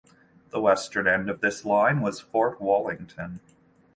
The western end of this line was Fort Wallington.